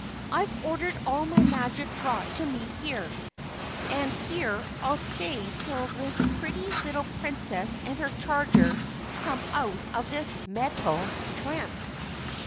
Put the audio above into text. "I've ordered all my magic brought to me here, and here I'll stay till this pretty little Princess and her charger come out of this metal trance.